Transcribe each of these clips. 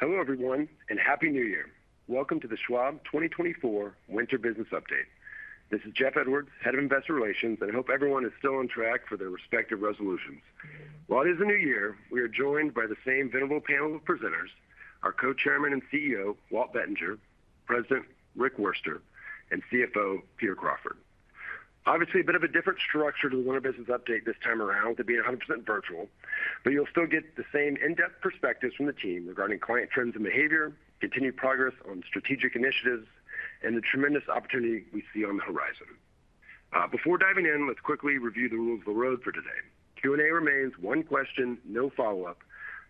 Hello everyone, and Happy New Year! Welcome to the Schwab 2024 Winter Business Update. This is Jeff Edwards, Head of Investor Relations, and I hope everyone is still on track for their respective resolutions. While it is a new year, we are joined by the same venerable panel of presenters, our Co-Chairman and CEO, Walt Bettinger, President, Rick Wurster, and CFO, Peter Crawford. Obviously, a bit of a different structure to the Winter Business Update this time around to being 100% virtual, but you'll still get the same in-depth perspectives from the team regarding client trends and behavior, continued progress on strategic initiatives, and the tremendous opportunity we see on the horizon. Before diving in, let's quickly review the rules of the road for today. Q&A remains one question, no follow-up,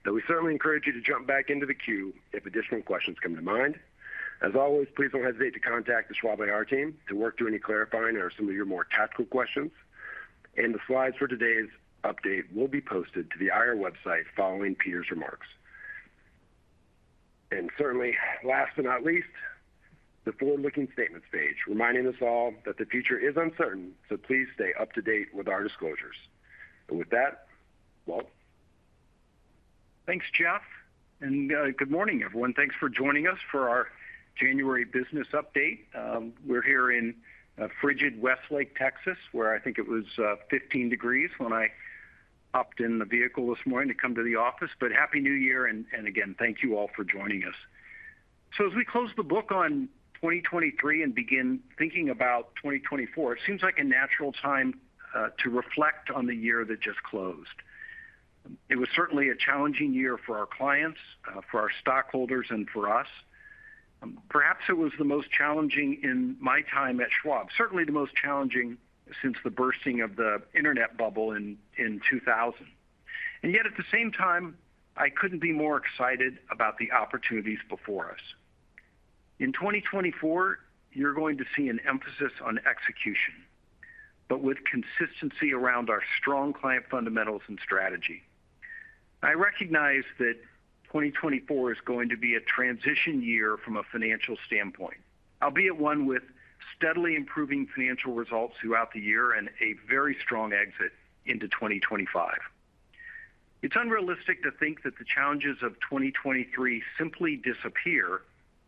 though we certainly encourage you to jump back into the queue if additional questions come to mind. As always, please don't hesitate to contact the Schwab IR team to work through any clarifying or some of your more tactical questions. The slides for today's update will be posted to the IR website following Peter's remarks. Certainly, last but not least, the forward-looking statements page, reminding us all that the future is uncertain, so please stay up-to-date with our disclosures. And with that, Walt? Thanks, Jeff, and good morning, everyone. Thanks for joining us for our January business update. We're here in frigid Westlake, Texas, where I think it was 15 degrees when I hopped in the vehicle this morning to come to the office. But Happy New Year, and again, thank you all for joining us. So as we close the book on 2023 and begin thinking about 2024, it seems like a natural time to reflect on the year that just closed. It was certainly a challenging year for our clients, for our stockholders, and for us. Perhaps it was the most challenging in my time at Schwab, certainly the most challenging since the bursting of the internet bubble in 2000. And yet, at the same time, I couldn't be more excited about the opportunities before us. In 2024, you're going to see an emphasis on execution, but with consistency around our strong client fundamentals and strategy. I recognize that 2024 is going to be a transition year from a financial standpoint, albeit one with steadily improving financial results throughout the year and a very strong exit into 2025. It's unrealistic to think that the challenges of 2023 simply disappear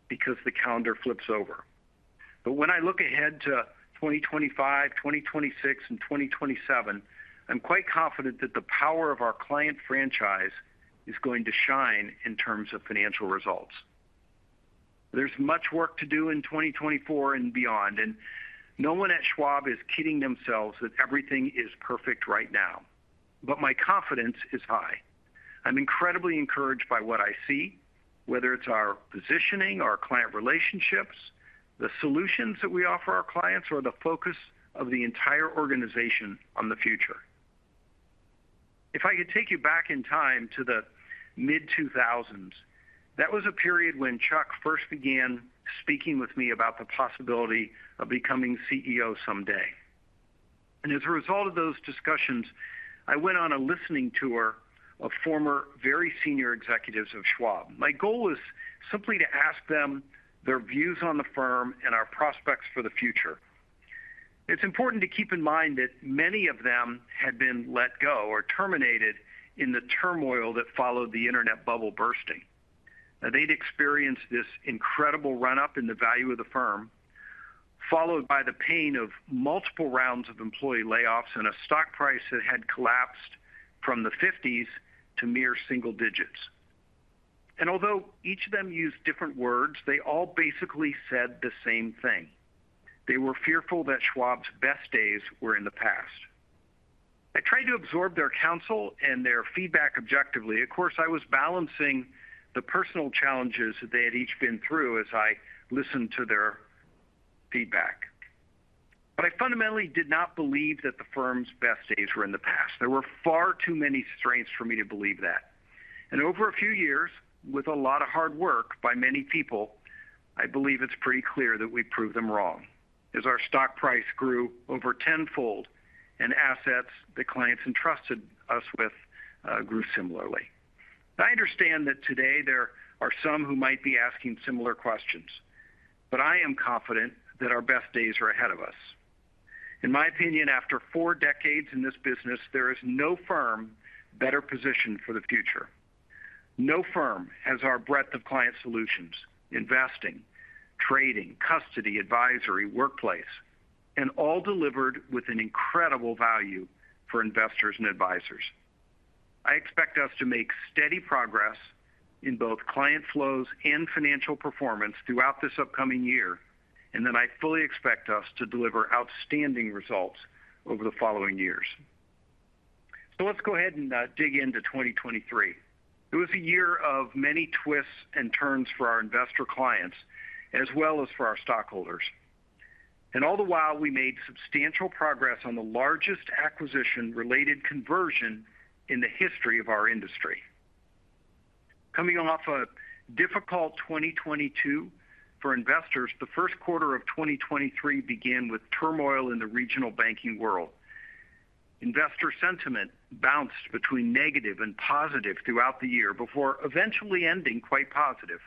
because the calendar flips over. But when I look ahead to 2025, 2026, and 2027, I'm quite confident that the power of our client franchise is going to shine in terms of financial results. There's much work to do in 2024 and beyond, and no one at Schwab is kidding themselves that everything is perfect right now, but my confidence is high. I'm incredibly encouraged by what I see, whether it's our positioning, our client relationships, the solutions that we offer our clients, or the focus of the entire organization on the future. If I could take you back in time to the mid-2000s, that was a period when Chuck first began speaking with me about the possibility of becoming CEO someday. As a result of those discussions, I went on a listening tour of former very senior executives of Schwab. My goal was simply to ask them their views on the firm and our prospects for the future. It's important to keep in mind that many of them had been let go or terminated in the turmoil that followed the internet bubble bursting. They'd experienced this incredible run-up in the value of the firm, followed by the pain of multiple rounds of employee layoffs and a stock price that had collapsed from the fifties to mere single digits. Although each of them used different words, they all basically said the same thing. They were fearful that Schwab's best days were in the past. I tried to absorb their counsel and their feedback objectively. Of course, I was balancing the personal challenges that they had each been through as I listened to their feedback. I fundamentally did not believe that the firm's best days were in the past. There were far too many strengths for me to believe that. And over a few years, with a lot of hard work by many people, I believe it's pretty clear that we proved them wrong, as our stock price grew over tenfold, and assets that clients entrusted us with grew similarly. I understand that today there are some who might be asking similar questions, but I am confident that our best days are ahead of us. In my opinion, after four decades in this business, there is no firm better positioned for the future. No firm has our breadth of client solutions, investing, trading, custody, advisory, workplace, and all delivered with an incredible value for investors and advisors. I expect us to make steady progress in both client flows and financial performance throughout this upcoming year, and then I fully expect us to deliver outstanding results over the following years. So let's go ahead and dig into 2023. It was a year of many twists and turns for our investor clients, as well as for our stockholders. All the while, we made substantial progress on the largest acquisition-related conversion in the history of our industry. Coming off a difficult 2022 for investors, the first quarter of 2023 began with turmoil in the regional banking world. Investor sentiment bounced between negative and positive throughout the year before eventually ending quite positive.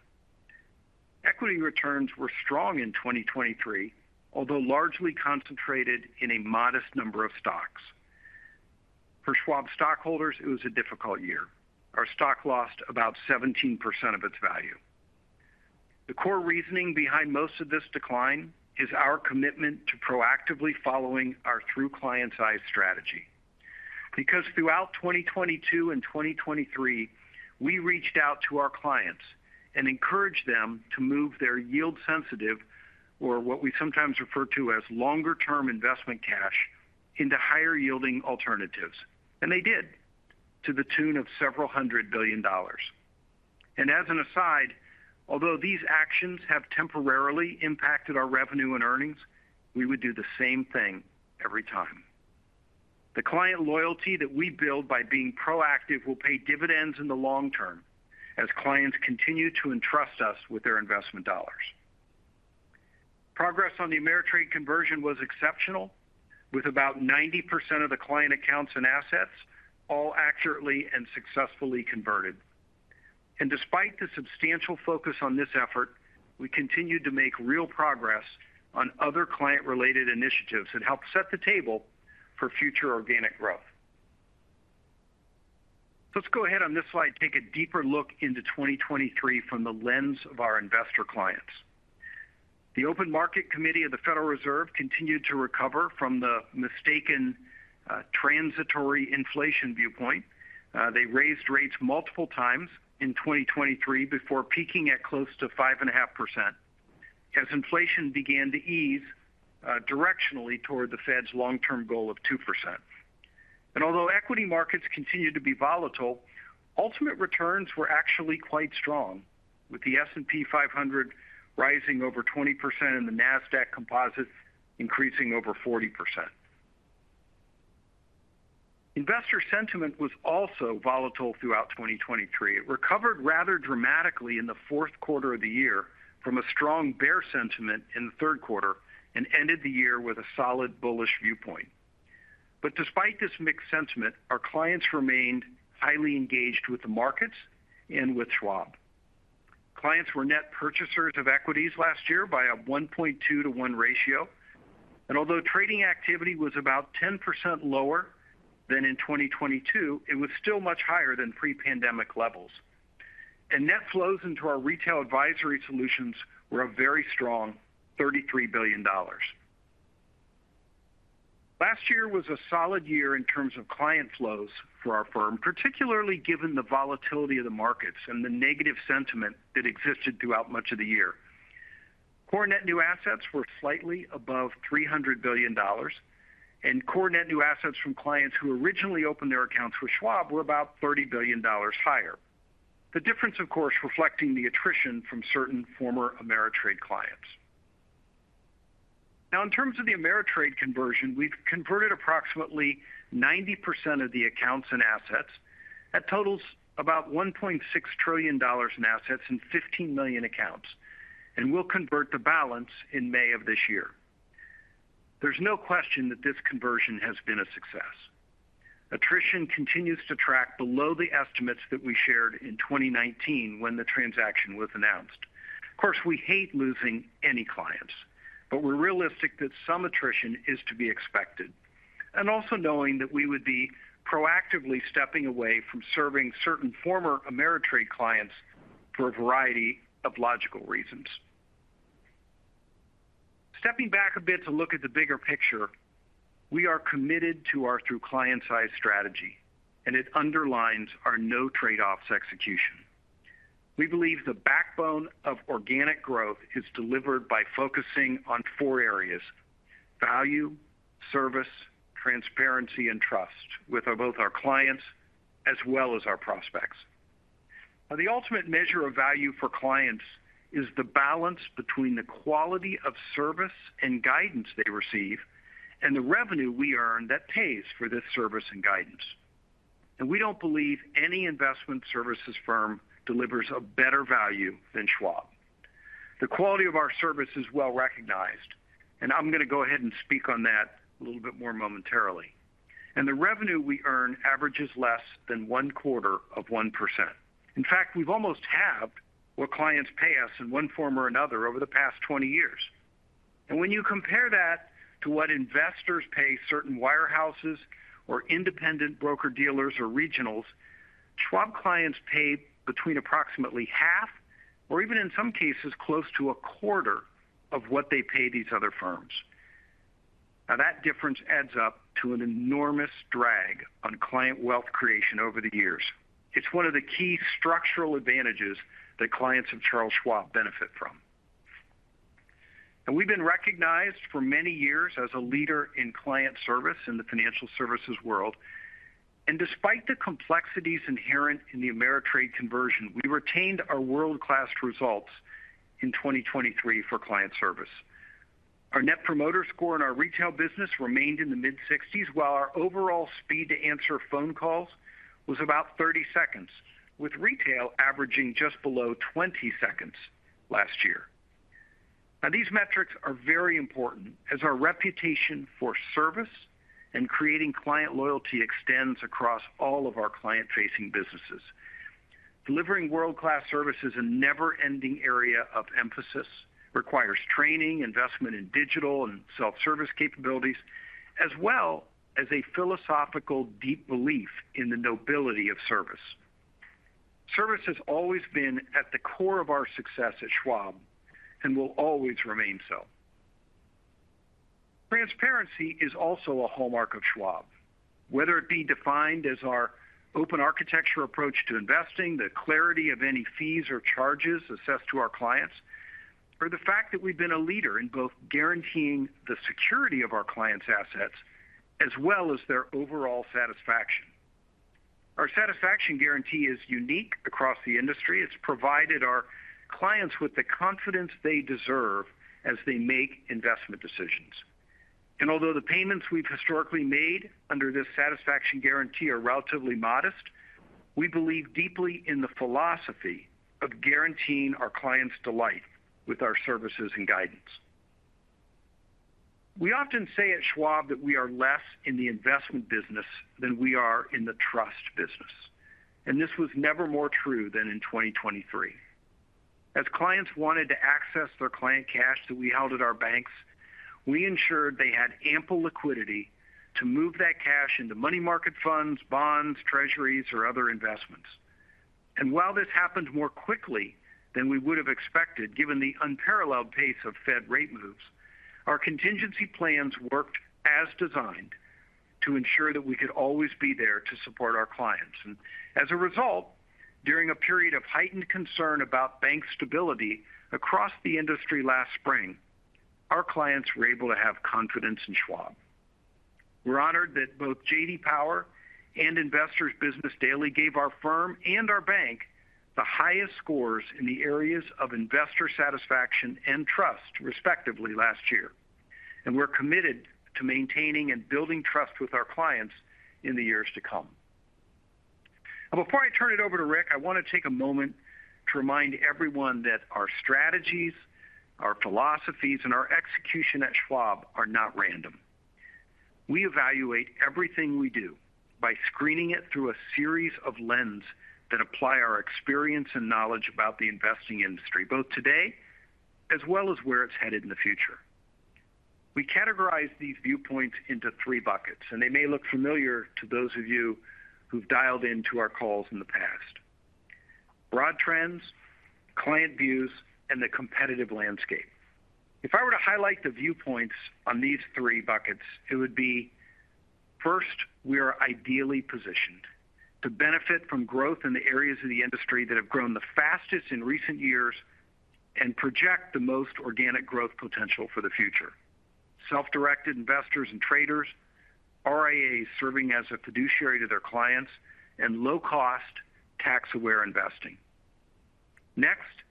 Equity returns were strong in 2023, although largely concentrated in a modest number of stocks. For Schwab stockholders, it was a difficult year. Our stock lost about 17% of its value. The core reasoning behind most of this decline is our commitment to proactively following our true client-first strategy. Because throughout 2022 and 2023, we reached out to our clients and encouraged them to move their yield-sensitive, or what we sometimes refer to as longer-term investment cash, into higher-yielding alternatives. They did, to the tune of $several hundred billion. As an aside, although these actions have temporarily impacted our revenue and earnings, we would do the same thing every time. The client loyalty that we build by being proactive will pay dividends in the long term as clients continue to entrust us with their investment dollars. Progress on the Ameritrade conversion was exceptional, with about 90% of the client accounts and assets all accurately and successfully converted. Despite the substantial focus on this effort, we continued to make real progress on other client-related initiatives that helped set the table for future organic growth. Let's go ahead on this slide and take a deeper look into 2023 from the lens of our investor clients. The Open Market Committee of the Federal Reserve continued to recover from the mistaken, transitory inflation viewpoint. They raised rates multiple times in 2023 before peaking at close to 5.5%, as inflation began to ease, directionally toward the Fed's long-term goal of 2%. And although equity markets continued to be volatile, ultimate returns were actually quite strong, with the S&P 500 rising over 20% and the Nasdaq Composite increasing over 40%. Investor sentiment was also volatile throughout 2023. It recovered rather dramatically in the fourth quarter of the year from a strong bear sentiment in the third quarter and ended the year with a solid bullish viewpoint. Despite this mixed sentiment, our clients remained highly engaged with the markets and with Schwab. Clients were net purchasers of equities last year by a 1.2-to-1 ratio, and although trading activity was about 10% lower than in 2022, it was still much higher than pre-pandemic levels. Net flows into our retail advisory solutions were a very strong $33 billion. Last year was a solid year in terms of client flows for our firm, particularly given the volatility of the markets and the negative sentiment that existed throughout much of the year. Core net new assets were slightly above $300 billion, and core net new assets from clients who originally opened their accounts with Schwab were about $30 billion higher. The difference, of course, reflecting the attrition from certain former Ameritrade clients. Now, in terms of the Ameritrade conversion, we've converted approximately 90% of the accounts and assets. That totals about $1.6 trillion in assets and 15 million accounts, and we'll convert the balance in May of this year. There's no question that this conversion has been a success. Attrition continues to track below the estimates that we shared in 2019 when the transaction was announced. Of course, we hate losing any clients, but we're realistic that some attrition is to be expected, and also knowing that we would be proactively stepping away from serving certain former Ameritrade clients for a variety of logical reasons. Stepping back a bit to look at the bigger picture, we are committed to our Through Clients' Eyes strategy, and it underlines our no trade-offs execution. We believe the backbone of organic growth is delivered by focusing on four areas: value, service, transparency, and trust with our both our clients as well as our prospects. Now, the ultimate measure of value for clients is the balance between the quality of service and guidance they receive and the revenue we earn that pays for this service and guidance. We don't believe any investment services firm delivers a better value than Schwab. The quality of our service is well recognized, and I'm going to go ahead and speak on that a little bit more momentarily. The revenue we earn averages less than 0.25%. In fact, we've almost halved what clients pay us in one form or another over the past 20 years. When you compare that to what investors pay certain wirehouses or independent broker-dealers or regionals, Schwab clients pay between approximately half or even in some cases, close to a quarter of what they pay these other firms. Now, that difference adds up to an enormous drag on client wealth creation over the years. It's one of the key structural advantages that clients of Charles Schwab benefit from. And we've been recognized for many years as a leader in client service in the financial services world. And despite the complexities inherent in the Ameritrade conversion, we retained our world-class results in 2023 for client service. Our net promoter score in our retail business remained in the mid-60s, while our overall speed to answer phone calls was about 30 seconds, with retail averaging just below 20 seconds last year. These metrics are very important, as our reputation for service and creating client loyalty extends across all of our client-facing businesses. Delivering world-class service is a never-ending area of emphasis, requires training, investment in digital and self-service capabilities, as well as a philosophical, deep belief in the nobility of service. Service has always been at the core of our success at Schwab and will always remain so. Transparency is also a hallmark of Schwab, whether it be defined as our open architecture approach to investing, the clarity of any fees or charges assessed to our clients, or the fact that we've been a leader in both guaranteeing the security of our clients' assets as well as their overall satisfaction. Our satisfaction guarantee is unique across the industry. It's provided our clients with the confidence they deserve as they make investment decisions. Although the payments we've historically made under this satisfaction guarantee are relatively modest, we believe deeply in the philosophy of guaranteeing our clients' delight with our services and guidance. We often say at Schwab that we are less in the investment business than we are in the trust business, and this was never more true than in 2023. As clients wanted to access their client cash that we held at our banks, we ensured they had ample liquidity to move that cash into money market funds, bonds, treasuries, or other investments. While this happened more quickly than we would have expected, given the unparalleled pace of Fed rate moves, our contingency plans worked as designed to ensure that we could always be there to support our clients. As a result, during a period of heightened concern about bank stability across the industry last spring, our clients were able to have confidence in Schwab. We're honored that both J.D. Power and Investor's Business Daily gave our firm and our bank the highest scores in the areas of investor satisfaction and trust, respectively, last year. We're committed to maintaining and building trust with our clients in the years to come. Before I turn it over to Rick, I want to take a moment to remind everyone that our strategies, our philosophies, and our execution at Schwab are not random. We evaluate everything we do by screening it through a series of lens that apply our experience and knowledge about the investing industry, both today as well as where it's headed in the future. We categorize these viewpoints into three buckets, and they may look familiar to those of you who've dialed into our calls in the past. Broad trends, client views, and the competitive landscape. If I were to highlight the viewpoints on these three buckets, it would be, first, we are ideally positioned to benefit from growth in the areas of the industry that have grown the fastest in recent years and project the most organic growth potential for the future. Self-directed investors and traders, RIAs serving as a fiduciary to their clients, and low-cost, tax-aware investing. Next,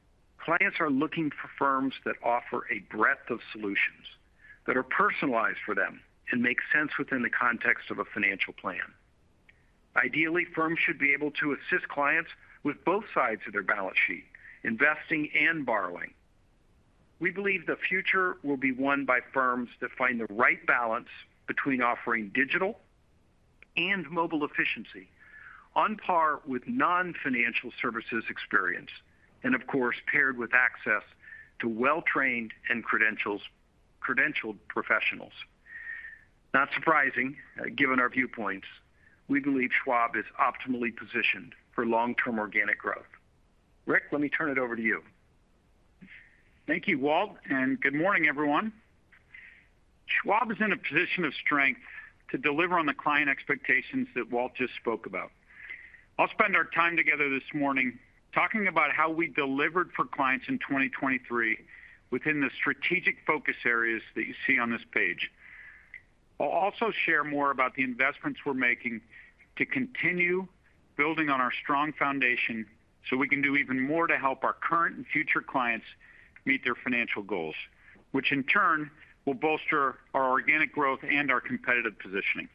clients are looking for firms that offer a breadth of solutions that are personalized for them and make sense within the context of a financial plan. Ideally, firms should be able to assist clients with both sides of their balance sheet, investing and borrowing. We believe the future will be won by firms that find the right balance between offering digital and mobile efficiency on par with non-financial services experience, and of course, paired with access to well-trained and credentialed professionals. Not surprising, given our viewpoints, we believe Schwab is optimally positioned for long-term organic growth. Rick, let me turn it over to you. Thank you, Walt, and good morning, everyone. Schwab is in a position of strength to deliver on the client expectations that Walt just spoke about. I'll spend our time together this morning talking about how we delivered for clients in 2023 within the strategic focus areas that you see on this page. I'll also share more about the investments we're making to continue building on our strong foundation, so we can do even more to help our current and future clients meet their financial goals, which in turn will bolster our organic growth and our competitive positioning.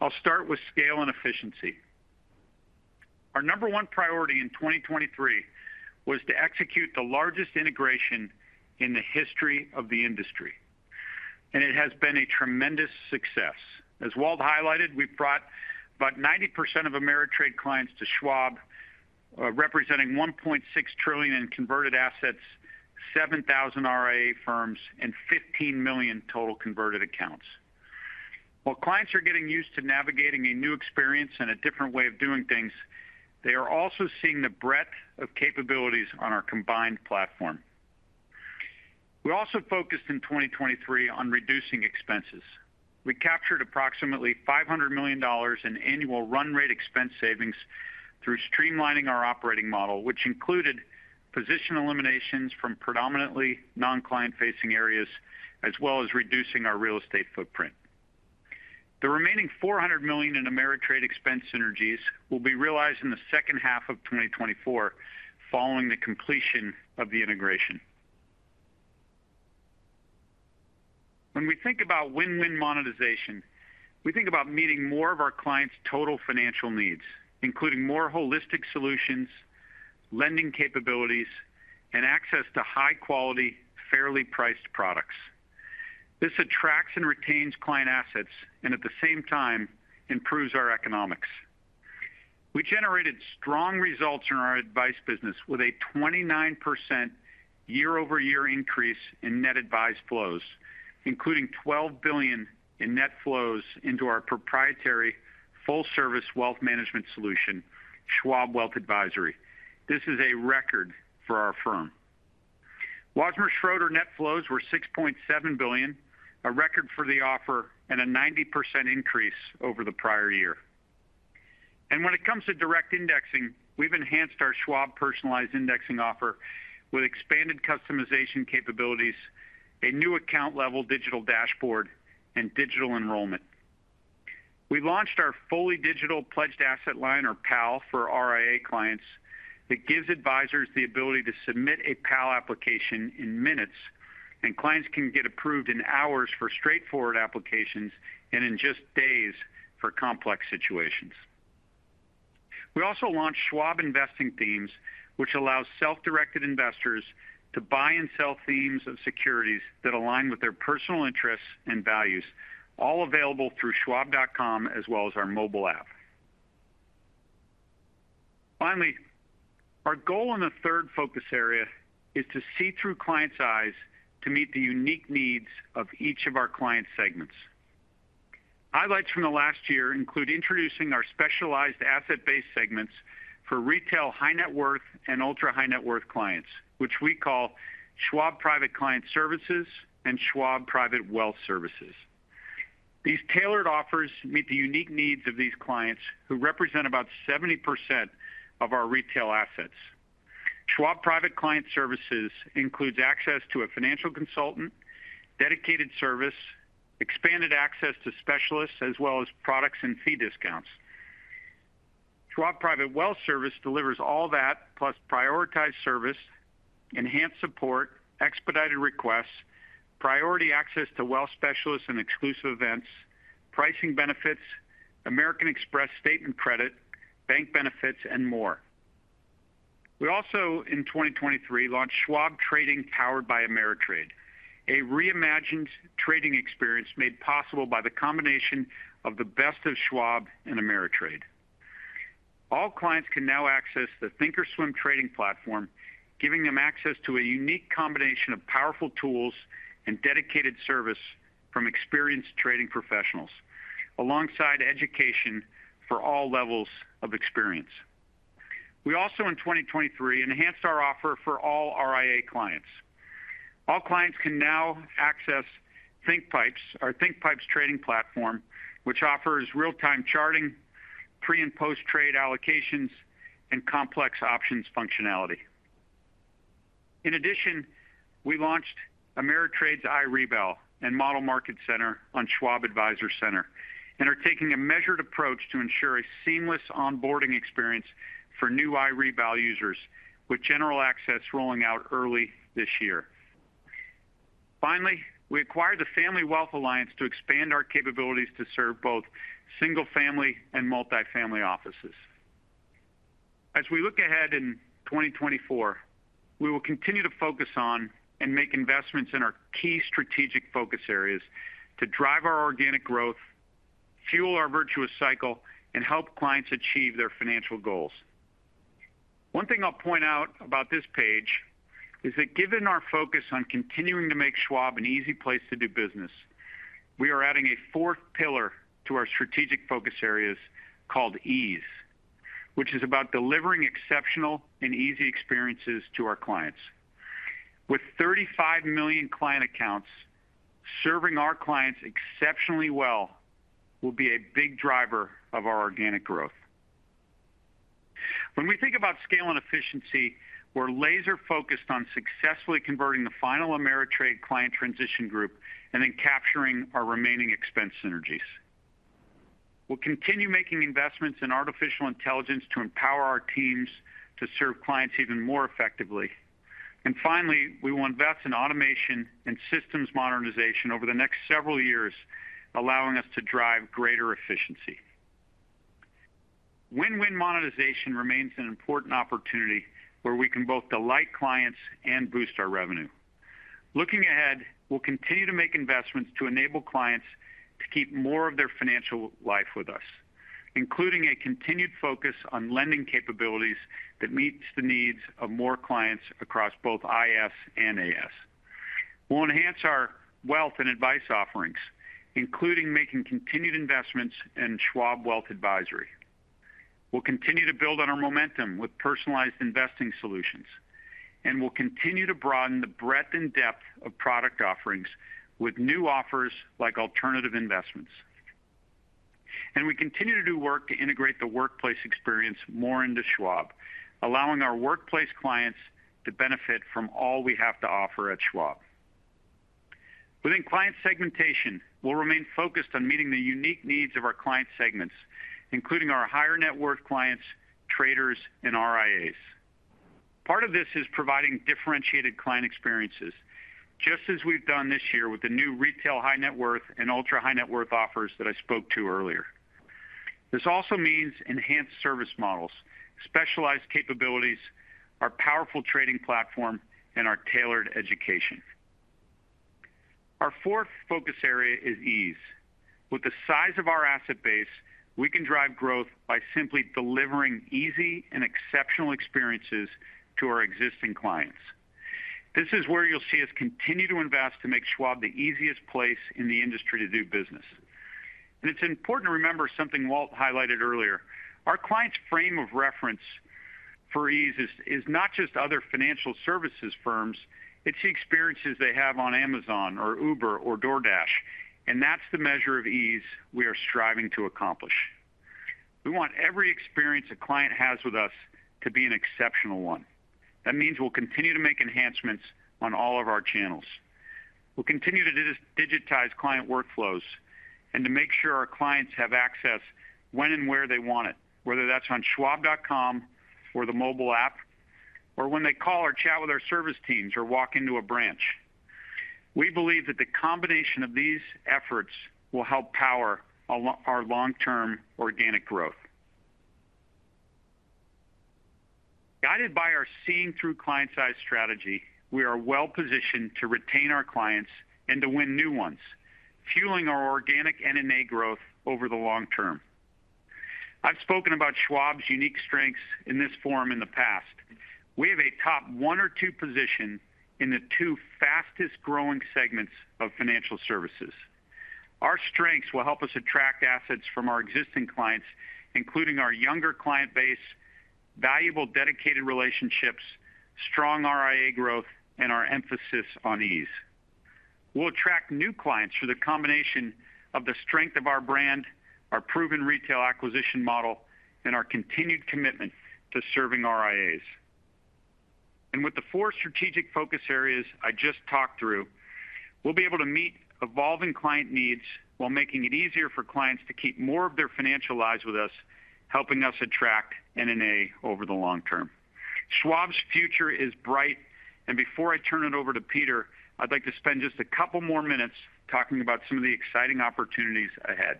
I'll start with scale and efficiency. Our number one priority in 2023 was to execute the largest integration in the history of the industry, and it has been a tremendous success. As Walt highlighted, we've brought about 90% of Ameritrade clients to Schwab, representing $1.6 trillion in converted assets, 7,000 RIA firms, and 15 million total converted accounts. While clients are getting used to navigating a new experience and a different way of doing things, they are also seeing the breadth of capabilities on our combined platform. We also focused in 2023 on reducing expenses. We captured approximately $500 million in annual run rate expense savings through streamlining our operating model, which included position eliminations from predominantly non-client-facing areas, as well as reducing our real estate footprint. The remaining $400 million in Ameritrade expense synergies will be realized in the second half of 2024, following the completion of the integration. When we think about win-win monetization, we think about meeting more of our clients' total financial needs, including more holistic solutions, lending capabilities, and access to high quality, fairly priced products. This attracts and retains client assets, and at the same time, improves our economics. We generated strong results in our advice business with a 29% year-over-year increase in net advised flows, including $12 billion in net flows into our proprietary full service wealth management solution, Schwab Wealth Advisory. This is a record for our firm. Wasmer Schroeder net flows were $6.7 billion, a record for the offer and a 90% increase over the prior year. And when it comes to direct indexing, we've enhanced our Schwab Personalized Indexing offer with expanded customization capabilities, a new account level digital dashboard, and digital enrollment. We launched our fully digital Pledged Asset Line, or PAL, for RIA clients, that gives advisors the ability to submit a PAL application in minutes, and clients can get approved in hours for straightforward applications and in just days for complex situations. We also launched Schwab Investing Themes, which allows self-directed investors to buy and sell themes of securities that align with their personal interests and values, all available through schwab.com, as well as our mobile app. Finally, our goal in the third focus area is to see through clients' eyes to meet the unique needs of each of our client segments. Highlights from the last year include introducing our specialized asset-based segments for retail high net worth and ultra high net worth clients, which we call Schwab Private Client Services and Schwab Private Wealth Services. These tailored offers meet the unique needs of these clients, who represent about 70% of our retail assets. Schwab Private Client Services includes access to a financial consultant, dedicated service, expanded access to specialists, as well as products and fee discounts. Schwab Private Wealth Services delivers all that, plus prioritized service, enhanced support, expedited requests, priority access to wealth specialists and exclusive events, pricing benefits, American Express statement credit, bank benefits, and more. We also, in 2023, launched Schwab Trading, powered by Ameritrade, a reimagined trading experience made possible by the combination of the best of Schwab and Ameritrade. All clients can now access the thinkorswim trading platform, giving them access to a unique combination of powerful tools and dedicated service from experienced trading professionals, alongside education for all levels of experience. We also, in 2023, enhanced our offer for all RIA clients. All clients can now access thinkpipes, our thinkpipes trading platform, which offers real-time charting, pre and post-trade allocations, and complex options functionality. In addition, we launched Ameritrade's iRebal and Model Market Center on Schwab Advisor Center, and are taking a measured approach to ensure a seamless onboarding experience for new iRebal users, with general access rolling out early this year. Finally, we acquired the Family Wealth Alliance to expand our capabilities to serve both single-family and multifamily offices. As we look ahead in 2024, we will continue to focus on and make investments in our key strategic focus areas to drive our organic growth, fuel our virtuous cycle, and help clients achieve their financial goals. One thing I'll point out about this page is that given our focus on continuing to make Schwab an easy place to do business, we are adding a fourth pillar to our strategic focus areas called ease, which is about delivering exceptional and easy experiences to our clients. With 35 million client accounts, serving our clients exceptionally well will be a big driver of our organic growth. When we think about scale and efficiency, we're laser focused on successfully converting the final Ameritrade client transition group and then capturing our remaining expense synergies. We'll continue making investments in artificial intelligence to empower our teams to serve clients even more effectively. And finally, we will invest in automation and systems modernization over the next several years, allowing us to drive greater efficiency. Win-win monetization remains an important opportunity where we can both delight clients and boost our revenue. Looking ahead, we'll continue to make investments to enable clients to keep more of their financial life with us, including a continued focus on lending capabilities that meets the needs of more clients across both IS and AS. We'll enhance our wealth and advice offerings, including making continued investments in Schwab Wealth Advisory. We'll continue to build on our momentum with personalized investing solutions, and we'll continue to broaden the breadth and depth of product offerings with new offers like alternative investments. We continue to do work to integrate the workplace experience more into Schwab, allowing our workplace clients to benefit from all we have to offer at Schwab. Within client segmentation, we'll remain focused on meeting the unique needs of our client segments, including our higher net worth clients, traders, and RIAs. Part of this is providing differentiated client experiences, just as we've done this year with the new retail high net worth and ultra high net worth offers that I spoke to earlier. This also means enhanced service models, specialized capabilities, our powerful trading platform, and our tailored education. Our fourth focus area is ease. With the size of our asset base, we can drive growth by simply delivering easy and exceptional experiences to our existing clients. This is where you'll see us continue to invest to make Schwab the easiest place in the industry to do business. It's important to remember something Walt highlighted earlier. Our clients' frame of reference for ease is not just other financial services firms, it's the experiences they have on Amazon or Uber or DoorDash, and that's the measure of ease we are striving to accomplish. We want every experience a client has with us to be an exceptional one. That means we'll continue to make enhancements on all of our channels. We'll continue to digitize client workflows and to make sure our clients have access when and where they want it, whether that's on Schwab.com or the mobile app, or when they call or chat with our service teams or walk into a branch. We believe that the combination of these efforts will help power our long-term organic growth. Guided by our client-first strategy, we are well-positioned to retain our clients and to win new ones, fueling our organic NNA growth over the long term. I've spoken about Schwab's unique strengths in this forum in the past. We have a top one or two position in the two fastest-growing segments of financial services. Our strengths will help us attract assets from our existing clients, including our younger client base, valuable dedicated relationships, strong RIA growth, and our emphasis on ease. We'll attract new clients through the combination of the strength of our brand, our proven retail acquisition model, and our continued commitment to serving RIAs. With the four strategic focus areas I just talked through, we'll be able to meet evolving client needs while making it easier for clients to keep more of their financial lives with us, helping us attract NNA over the long term. Schwab's future is bright, and before I turn it over to Peter, I'd like to spend just a couple more minutes talking about some of the exciting opportunities ahead.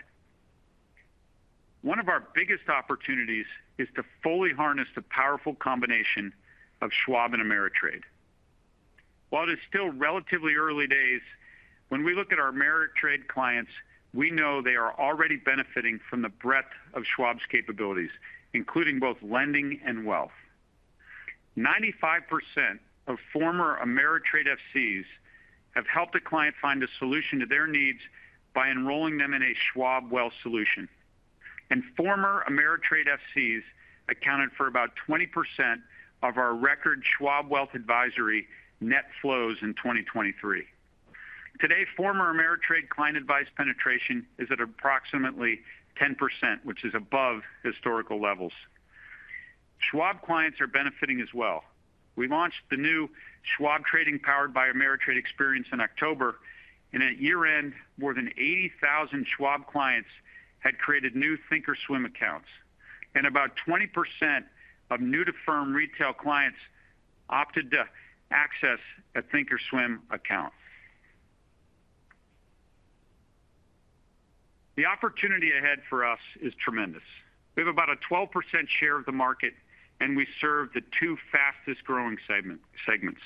One of our biggest opportunities is to fully harness the powerful combination of Schwab and Ameritrade. While it is still relatively early days, when we look at our Ameritrade clients, we know they are already benefiting from the breadth of Schwab's capabilities, including both lending and wealth. 95% of former Ameritrade FCs have helped a client find a solution to their needs by enrolling them in a Schwab wealth solution. And former Ameritrade FCs accounted for about 20% of our record Schwab Wealth Advisory net flows in 2023. Today, former Ameritrade client advice penetration is at approximately 10%, which is above historical levels. Schwab clients are benefiting as well. We launched the new Schwab Trading, powered by Ameritrade experience in October, and at year-end, more than 80,000 Schwab clients had created new thinkorswim accounts. About 20% of new-to-firm retail clients opted to access a thinkorswim account. The opportunity ahead for us is tremendous. We have about a 12% share of the market, and we serve the two fastest-growing segment, segments.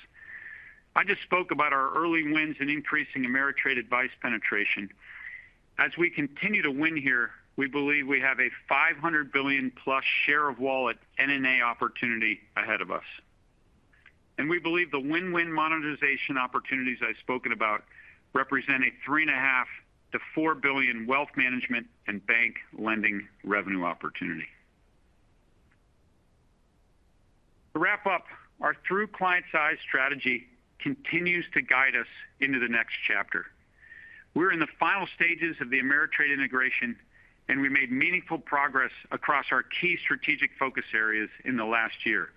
I just spoke about our early wins in increasing Ameritrade advice penetration. As we continue to win here, we believe we have a $500 billion+ share of wallet NNA opportunity ahead of us. We believe the win-win monetization opportunities I've spoken about represent a $3.5 billion-$4 billion wealth management and bank lending revenue opportunity. To wrap up, our through client size strategy continues to guide us into the next chapter. We're in the final stages of the Ameritrade integration, and we made meaningful progress across our key strategic focus areas in the last year.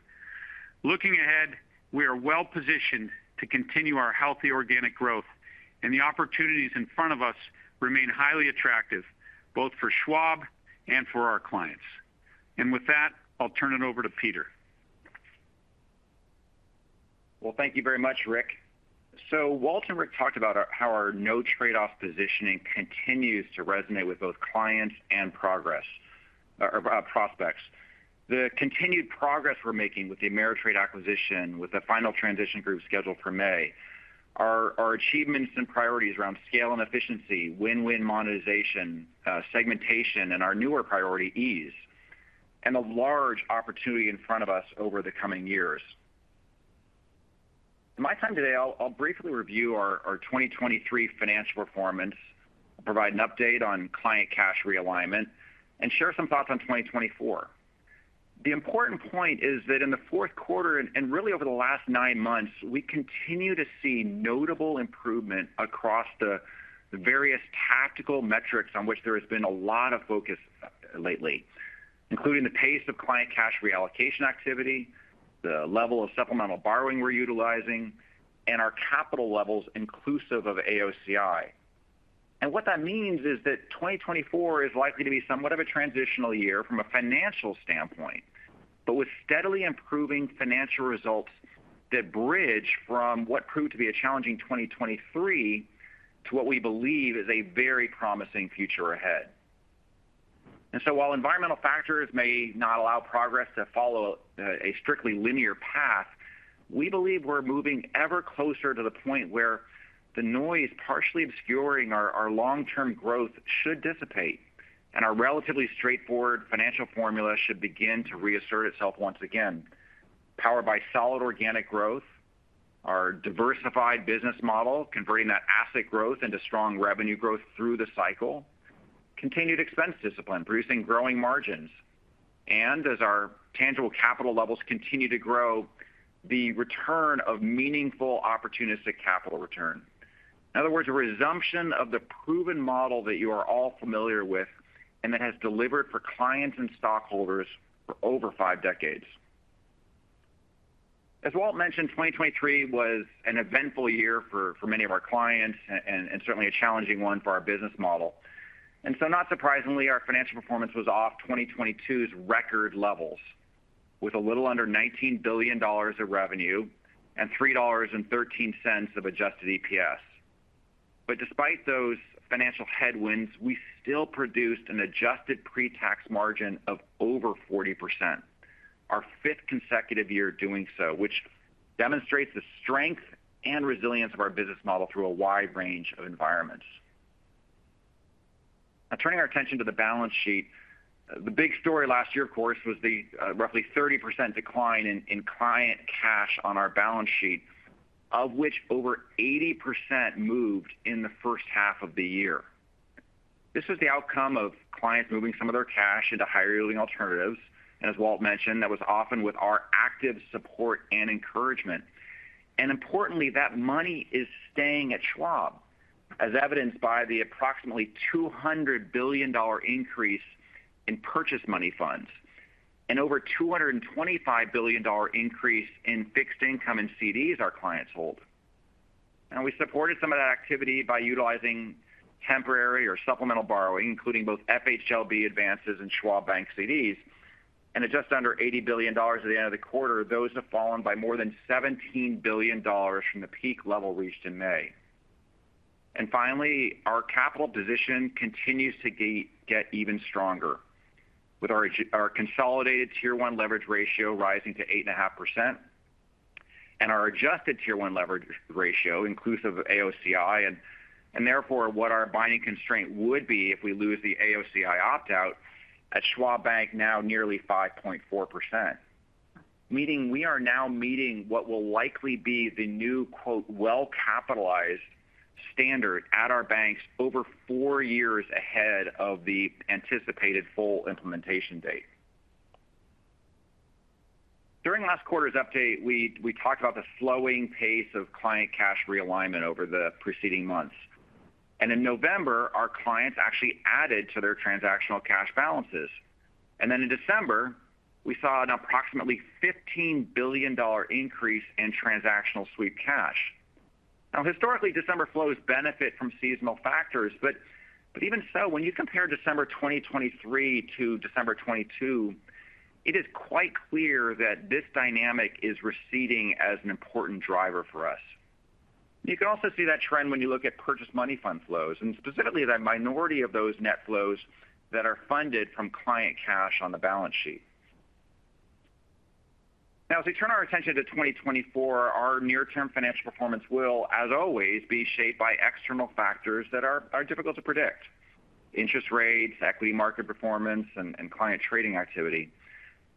Looking ahead, we are well-positioned to continue our healthy organic growth, and the opportunities in front of us remain highly attractive, both for Schwab and for our clients. With that, I'll turn it over to Peter. Well, thank you very much, Rick. So Walt and Rick talked about our, how our no trade-off positioning continues to resonate with both clients and progress, or, prospects. The continued progress we're making with the Ameritrade acquisition, with the final transition group scheduled for May, our achievements and priorities around scale and efficiency, win-win monetization, segmentation, and our newer priority, ease, and the large opportunity in front of us over the coming years. In my time today, I'll briefly review our 2023 financial performance, provide an update on client cash realignment, and share some thoughts on 2024. The important point is that in the fourth quarter, and really over the last nine months, we continue to see notable improvement across the various tactical metrics on which there has been a lot of focus lately, including the pace of client cash reallocation activity, the level of supplemental borrowing we're utilizing, and our capital levels inclusive of AOCI. What that means is that 2024 is likely to be somewhat of a transitional year from a financial standpoint, but with steadily improving financial results that bridge from what proved to be a challenging 2023, to what we believe is a very promising future ahead. So while environmental factors may not allow progress to follow a strictly linear path, we believe we're moving ever closer to the point where the noise partially obscuring our long-term growth should dissipate, and our relatively straightforward financial formula should begin to reassert itself once again. Powered by solid organic growth, our diversified business model, converting that asset growth into strong revenue growth through the cycle, continued expense discipline, producing growing margins, and as our tangible capital levels continue to grow, the return of meaningful opportunistic capital return. In other words, a resumption of the proven model that you are all familiar with and that has delivered for clients and stockholders for over five decades. As Walt mentioned, 2023 was an eventful year for many of our clients and certainly a challenging one for our business model. And so not surprisingly, our financial performance was off 2022's record levels, with a little under $19 billion of revenue and $3.13 of adjusted EPS. But despite those financial headwinds, we still produced an adjusted pre-tax margin of over 40%, our fifth consecutive year doing so, which demonstrates the strength and resilience of our business model through a wide range of environments. Now turning our attention to the balance sheet, the big story last year, of course, was the roughly 30% decline in client cash on our balance sheet, of which over 80% moved in the first half of the year. This was the outcome of clients moving some of their cash into higher-yielding alternatives, and as Walt mentioned, that was often with our active support and encouragement. Importantly, that money is staying at Schwab, as evidenced by the approximately $200 billion increase in money market funds and over $225 billion increase in fixed income and CDs our clients hold. We supported some of that activity by utilizing temporary or supplemental borrowing, including both FHLB advances and Schwab Bank CDs. At just under $80 billion at the end of the quarter, those have fallen by more than $17 billion from the peak level reached in May. Finally, our capital position continues to get even stronger, with our consolidated Tier 1 leverage ratio rising to 8.5%, and our adjusted Tier 1 leverage ratio, inclusive of AOCI, and therefore what our binding constraint would be if we lose the AOCI opt-out at Schwab Bank, now nearly 5.4%. Meaning we are now meeting what will likely be the new, “well-capitalized” standard at our banks over four years ahead of the anticipated full implementation date. During last quarter's update, we, we talked about the slowing pace of client cash realignment over the preceding months. In November, our clients actually added to their transactional cash balances. Then in December, we saw an approximately $15 billion increase in transactional sweep cash. Now, historically, December flows benefit from seasonal factors, but, but even so, when you compare December 2023 to December 2022, it is quite clear that this dynamic is receding as an important driver for us. You can also see that trend when you look at purchased money fund flows, and specifically that minority of those net flows that are funded from client cash on the balance sheet. Now, as we turn our attention to 2024, our near-term financial performance will, as always, be shaped by external factors that are, are difficult to predict: interest rates, equity market performance, and, and client trading activity.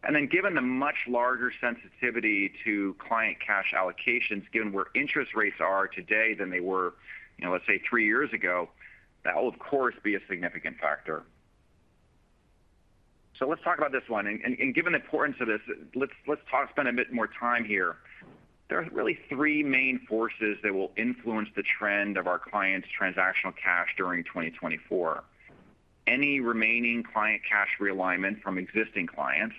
And then given the much larger sensitivity to client cash allocations, given where interest rates are today than they were, you know, let's say, three years ago, that will of course, be a significant factor. So let's talk about this one, and, and, and given the importance of this, let's spend a bit more time here. There are really three main forces that will influence the trend of our clients' transactional cash during 2024. Any remaining client cash realignment from existing clients,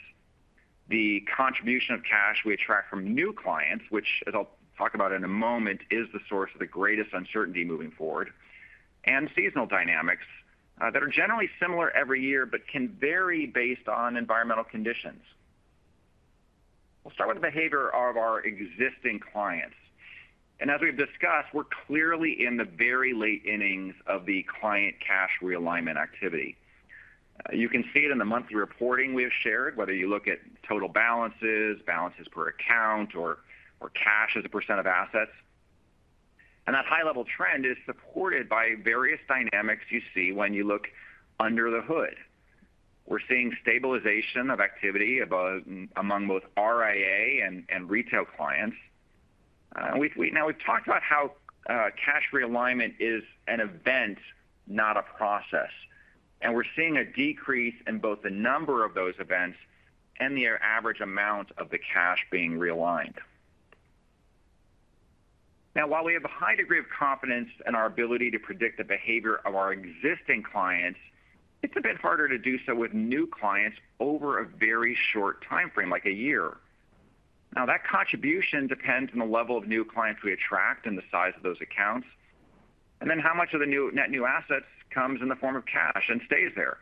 the contribution of cash we attract from new clients, which as I'll talk about in a moment, is the source of the greatest uncertainty moving forward, and seasonal dynamics that are generally similar every year, but can vary based on environmental conditions. We'll start with the behavior of our existing clients. As we've discussed, we're clearly in the very late innings of the client cash realignment activity. You can see it in the monthly reporting we have shared, whether you look at total balances, balances per account, or cash as a percent of assets. That high-level trend is supported by various dynamics you see when you look under the hood. We're seeing stabilization of activity among both RIA and retail clients. We've now talked about how cash realignment is an event, not a process, and we're seeing a decrease in both the number of those events and the average amount of the cash being realigned. Now, while we have a high degree of confidence in our ability to predict the behavior of our existing clients, it's a bit harder to do so with new clients over a very short timeframe, like a year. Now, that contribution depends on the level of new clients we attract and the size of those accounts, and then how much of the new- net new assets comes in the form of cash and stays there,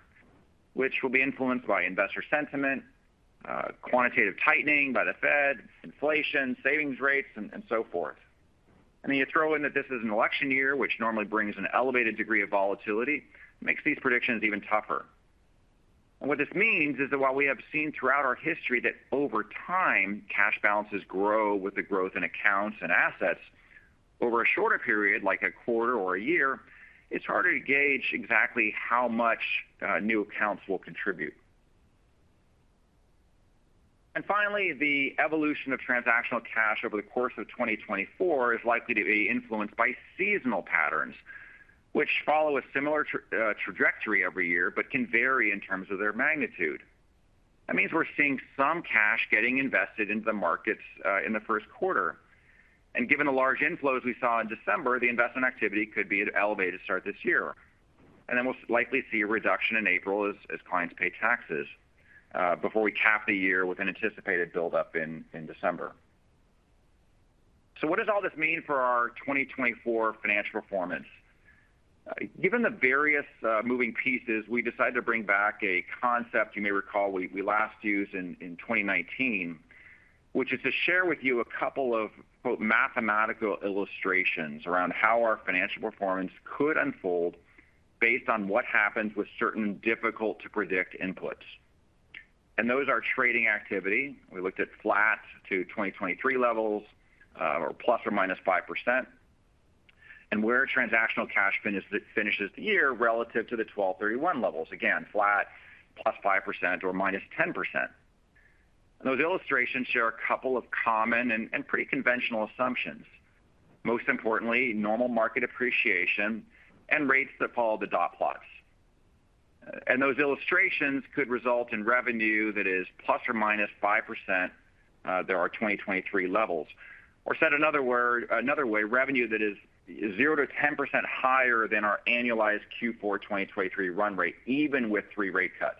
which will be influenced by investor sentiment, quantitative tightening by the Fed, inflation, savings rates, and, and so forth. You throw in that this is an election year, which normally brings an elevated degree of volatility, makes these predictions even tougher. What this means is that while we have seen throughout our history that over time, cash balances grow with the growth in accounts and assets, over a shorter period, like a quarter or a year, it's harder to gauge exactly how much new accounts will contribute. Finally, the evolution of transactional cash over the course of 2024 is likely to be influenced by seasonal patterns, which follow a similar trajectory every year, but can vary in terms of their magnitude. That means we're seeing some cash getting invested into the markets in the first quarter. And given the large inflows we saw in December, the investment activity could be at an elevated start this year. And then we'll likely see a reduction in April as clients pay taxes before we cap the year with an anticipated buildup in December. So what does all this mean for our 2024 financial performance? Given the various moving pieces, we decided to bring back a concept you may recall we last used in 2019, which is to share with you a couple of, quote, "mathematical illustrations" around how our financial performance could unfold based on what happens with certain difficult-to-predict inputs. And those are trading activity. We looked at flat to 2023 levels or ±5%, and where transactional cash finishes the year relative to the 12/31 levels. Again, flat, +5% or -10%. And those illustrations share a couple of common and pretty conventional assumptions. Most importantly, normal market appreciation and rates that follow the dot plots. And those illustrations could result in revenue that is ±5%, at 2023 levels. Or said another way, revenue that is 0%-10% higher than our annualized Q4 2023 run rate, even with three rate cuts.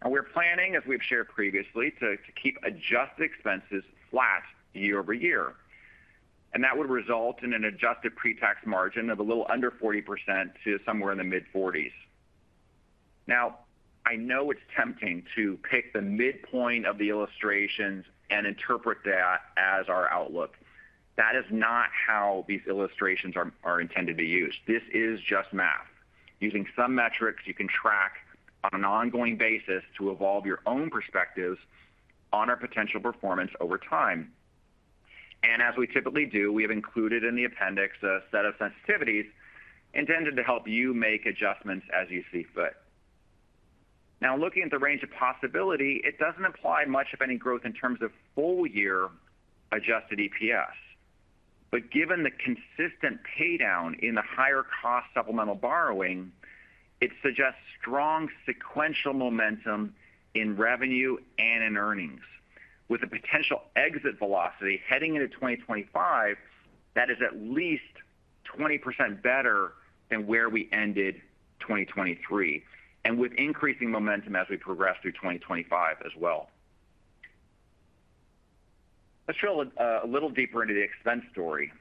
And we're planning, as we've shared previously, to keep adjusted expenses flat year-over-year, and that would result in an adjusted pre-tax margin of a little under 40% to somewhere in the mid-40s. Now, I know it's tempting to pick the midpoint of the illustrations and interpret that as our outlook. That is not how these illustrations are intended to be used. This is just math. Using some metrics you can track on an ongoing basis to evolve your own perspectives on our potential performance over time. And as we typically do, we have included in the appendix a set of sensitivities intended to help you make adjustments as you see fit. Now, looking at the range of possibility, it doesn't imply much of any growth in terms of full year adjusted EPS. But given the consistent pay down in the higher cost supplemental borrowing, it suggests strong sequential momentum in revenue and in earnings, with a potential exit velocity heading into 2025, that is at least 20% better than where we ended 2023, and with increasing momentum as we progress through 2025 as well. Let's drill a little deeper into the expense story.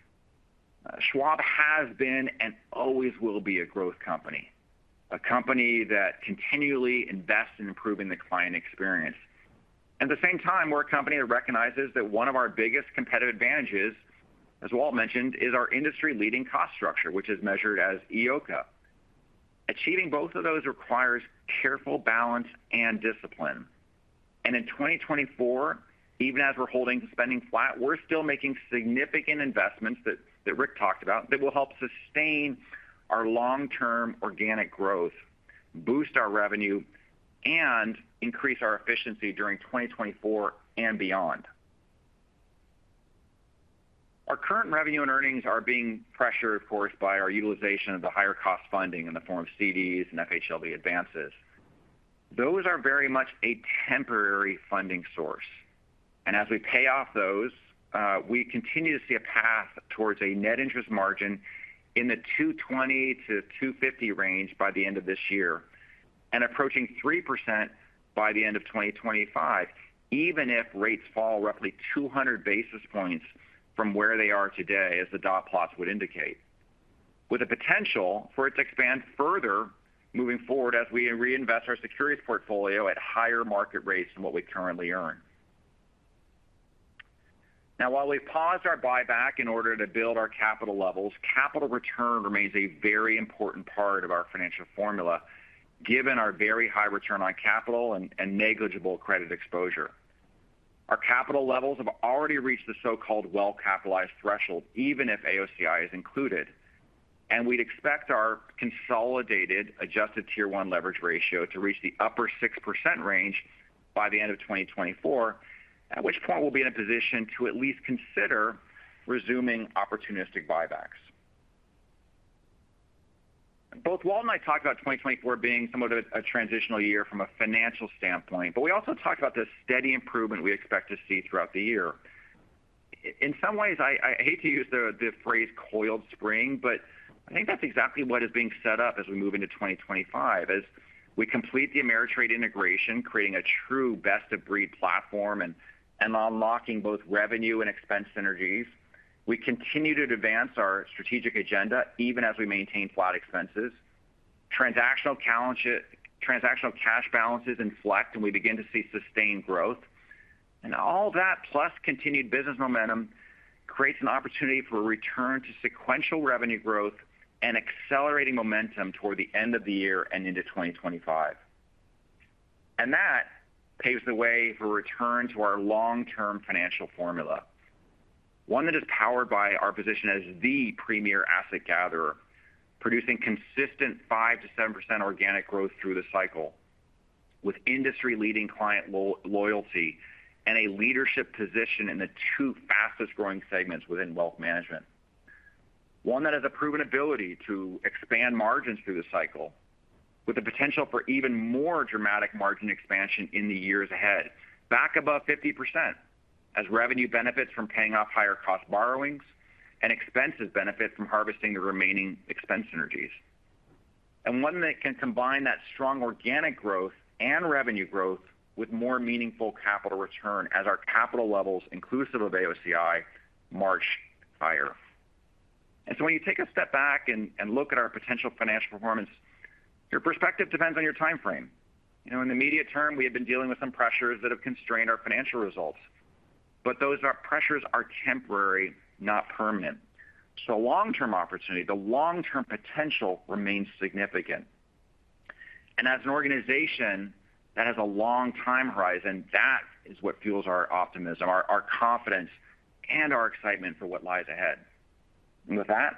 Schwab has been and always will be a growth company, a company that continually invests in improving the client experience. At the same time, we're a company that recognizes that one of our biggest competitive advantages, as Walt mentioned, is our industry-leading cost structure, which is measured as EOCA. Achieving both of those requires careful balance and discipline. In 2024, even as we're holding spending flat, we're still making significant investments that Rick talked about, that will help sustain our long-term organic growth, boost our revenue, and increase our efficiency during 2024 and beyond. Our current revenue and earnings are being pressured, of course, by our utilization of the higher cost funding in the form of CDs and FHLB advances. Those are very much a temporary funding source, and as we pay off those, we continue to see a path towards a net interest margin in the 220-250 range by the end of this year, and approaching 3% by the end of 2025, even if rates fall roughly 200 basis points from where they are today, as the dot plots would indicate. With the potential for it to expand further moving forward as we reinvest our securities portfolio at higher market rates than what we currently earn. Now, while we've paused our buyback in order to build our capital levels, capital return remains a very important part of our financial formula, given our very high return on capital and, and negligible credit exposure. Our capital levels have already reached the so-called well-capitalized threshold, even if AOCI is included, and we'd expect our consolidated adjusted Tier 1 leverage ratio to reach the upper 6% range by the end of 2024, at which point we'll be in a position to at least consider resuming opportunistic buybacks. Both Walt and I talked about 2024 being somewhat of a transitional year from a financial standpoint, but we also talked about the steady improvement we expect to see throughout the year. In some ways, I hate to use the phrase coiled spring, but I think that's exactly what is being set up as we move into 2025. As we complete the Ameritrade integration, creating a true best-of-breed platform and unlocking both revenue and expense synergies, we continue to advance our strategic agenda even as we maintain flat expenses. Transactional challenge, transactional cash balances inflect, and we begin to see sustained growth. All that, plus continued business momentum, creates an opportunity for a return to sequential revenue growth and accelerating momentum toward the end of the year and into 2025. That paves the way for a return to our long-term financial formula. One that is powered by our position as the premier asset gatherer, producing consistent 5%-7% organic growth through the cycle, with industry-leading client loyalty and a leadership position in the two fastest-growing segments within wealth management. One that has a proven ability to expand margins through the cycle, with the potential for even more dramatic margin expansion in the years ahead, back above 50%, as revenue benefits from paying off higher-cost borrowings and expenses benefit from harvesting the remaining expense synergies. One that can combine that strong organic growth and revenue growth with more meaningful capital return as our capital levels, inclusive of AOCI, march higher. So when you take a step back and look at our potential financial performance, your perspective depends on your time frame. You know, in the immediate term, we have been dealing with some pressures that have constrained our financial results, but those pressures are temporary, not permanent. Long-term opportunity, the long-term potential remains significant. And as an organization that has a long time horizon, that is what fuels our optimism, our confidence, and our excitement for what lies ahead. And with that,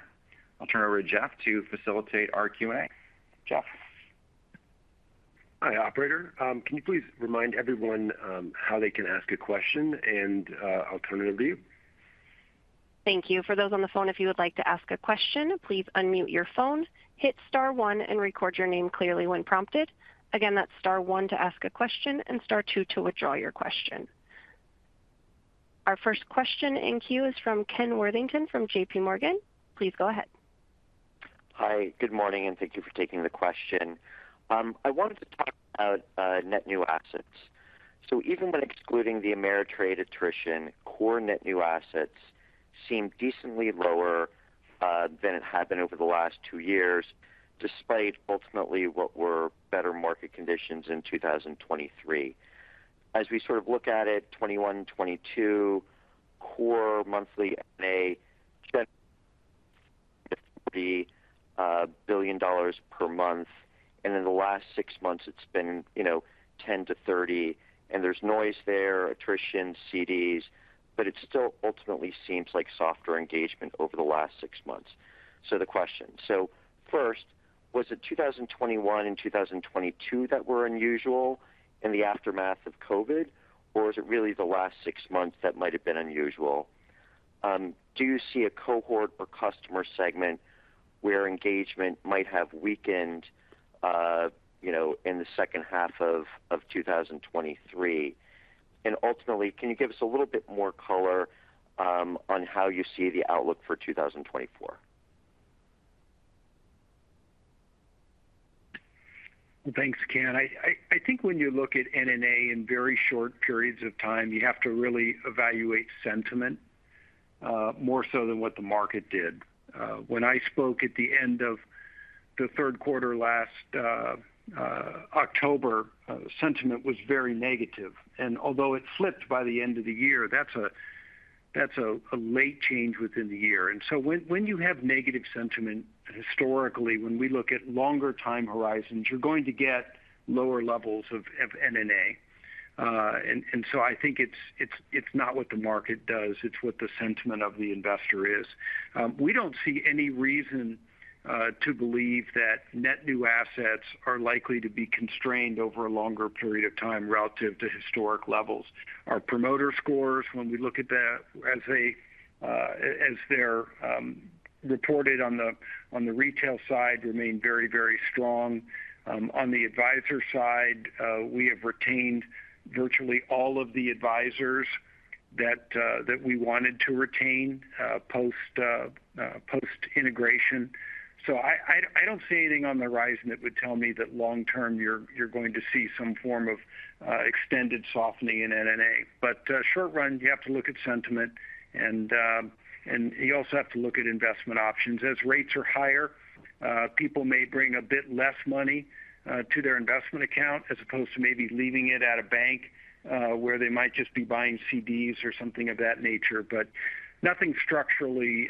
I'll turn it over to Jeff to facilitate our Q&A. Jeff? Hi, operator. Can you please remind everyone how they can ask a question, and I'll turn it over to you. Thank you. For those on the phone, if you would like to ask a question, please unmute your phone, hit star one, and record your name clearly when prompted. Again, that's star one to ask a question and star two to withdraw your question. Our first question in queue is from Ken Worthington from JPMorgan. Please go ahead. Hi, good morning, and thank you for taking the question. I wanted to talk about net new assets. So even when excluding the Ameritrade attrition, core net new assets seem decently lower than it had been over the last two years, despite ultimately what were better market conditions in 2023. As we sort of look at it, 2021, 2022, core monthly NNA was $10 billion per month, and in the last six months, it's been, you know, $10 billion-$30 billion, and there's noise there, attrition, CDs, but it still ultimately seems like softer engagement over the last six months. So the question. So first, was it 2021 and 2022 that were unusual in the aftermath of COVID, or is it really the last six months that might have been unusual? Do you see a cohort or customer segment where engagement might have weakened, you know, in the second half of 2023? Ultimately, can you give us a little bit more color on how you see the outlook for 2024? Well, thanks, Ken. I think when you look at NNA in very short periods of time, you have to really evaluate sentiment more so than what the market did. When I spoke at the end of the third quarter last October, sentiment was very negative, and although it flipped by the end of the year, that's a late change within the year. And so when you have negative sentiment, historically, when we look at longer time horizons, you're going to get lower levels of NNA. And so I think it's not what the market does, it's what the sentiment of the investor is. We don't see any reason to believe that net new assets are likely to be constrained over a longer period of time relative to historic levels. Our promoter scores, when we look at that as they're reported on the retail side, remain very, very strong. On the advisor side, we have retained virtually all of the advisors that we wanted to retain post-integration. So I don't see anything on the horizon that would tell me that long term, you're going to see some form of extended softening in NNA. But short run, you have to look at sentiment, and you also have to look at investment options. As rates are higher, people may bring a bit less money to their investment account, as opposed to maybe leaving it at a bank, where they might just be buying CDs or something of that nature. But nothing structurally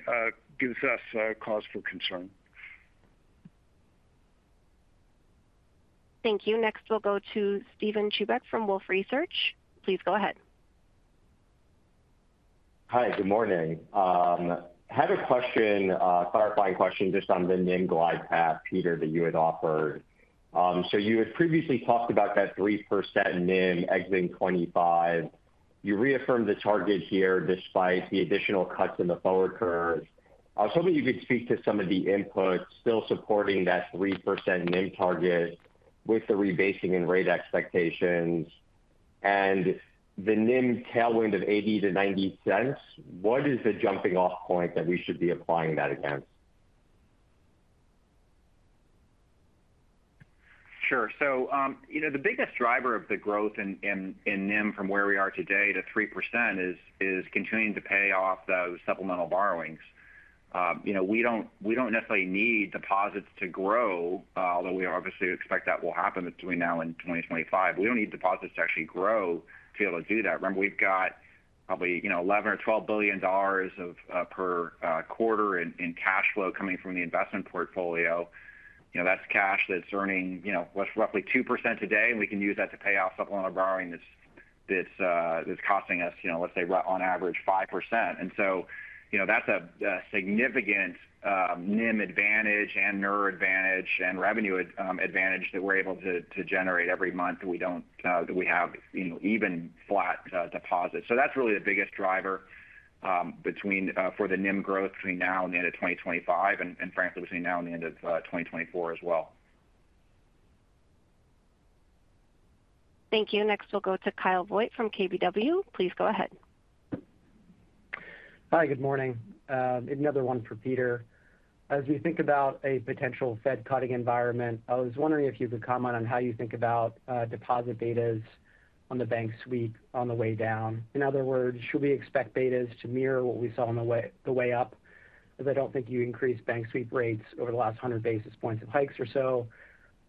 gives us cause for concern. Thank you. Next, we'll go to Steven Chubak from Wolfe Research. Please go ahead. Hi, good morning. I had a question, a clarifying question just on the NIM glide path, Peter, that you had offered. So you had previously talked about that 3% NIM exiting 2025. You reaffirmed the target here despite the additional cuts in the forward curve. I was hoping you could speak to some of the inputs still supporting that 3% NIM target... ... with the rebasing and rate expectations and the NIM tailwind of $0.80-$0.90, what is the jumping off point that we should be applying that against? Sure. So, you know, the biggest driver of the growth in NIM from where we are today to 3% is continuing to pay off those supplemental borrowings. You know, we don't, we don't necessarily need deposits to grow, although we obviously expect that will happen between now and 2025. We don't need deposits to actually grow to be able to do that. Remember, we've got probably, you know, $11 billion-$12 billion per quarter in cash flow coming from the investment portfolio. You know, that's cash that's earning, you know, what's roughly 2% today, and we can use that to pay off supplemental borrowing that's costing us, you know, let's say, on average 5%. And so, you know, that's a significant NIM advantage and NIR advantage and revenue advantage that we're able to generate every month, that we have, you know, even flat deposits. So that's really the biggest driver between for the NIM growth between now and the end of 2025, and, and frankly, between now and the end of 2024 as well. Thank you. Next, we'll go to Kyle Voigt from KBW. Please go ahead. Hi, good morning. Another one for Peter. As we think about a potential Fed cutting environment, I was wondering if you could comment on how you think about deposit betas on the bank sweep on the way down. In other words, should we expect betas to mirror what we saw on the way, the way up? Because I don't think you increased bank sweep rates over the last 100 basis points of hikes or so.